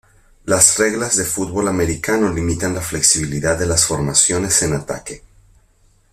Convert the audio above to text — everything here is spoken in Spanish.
Las reglas de fútbol americano limitan la flexibilidad de las formaciones en ataque.